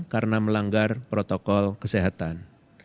karena melanggar protokol kesehatan